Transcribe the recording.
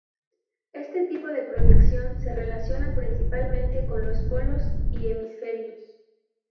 Este tipo de proyección se relaciona principalmente con los polos y hemisferios.